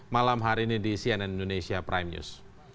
malam hari ini di cnn indonesia prime news